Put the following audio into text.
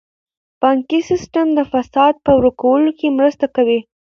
بانکي سیستم د فساد په ورکولو کې مرسته کوي.